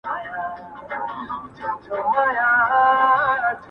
بيزو وان پكښي تنها ولاړ هك پك وو!!